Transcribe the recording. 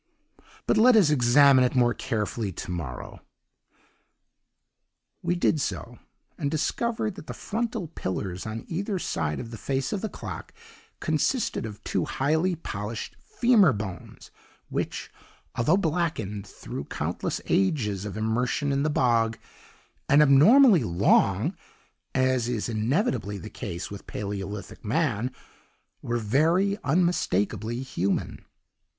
"'But let us examine it more carefully to morrow.' "We did so, and discovered that the frontal pillars on either side of the face of the clock consisted of two highly polished femur bones which, although blackened through countless ages of immersion in the bog, and abnormally long (as is inevitably the case with Paleolithic man), were very unmistakably human.